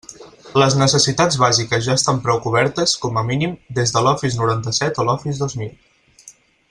Les necessitats bàsiques ja estan prou cobertes, com a mínim, des de l'Office noranta-set o l'Office dos mil.